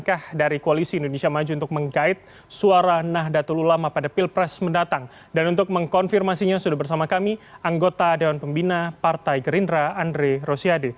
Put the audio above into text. sehat alhamdulillah terima kasih sudah hadir